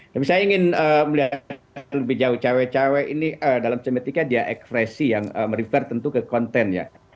tapi saya ingin melihat lebih jauh cowok cowok ini dalam semiotika dia ekfresi yang merefer tentu ke konten ya